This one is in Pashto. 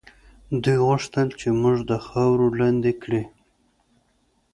دوی غوښتل چې موږ د خاورو لاندې کړي.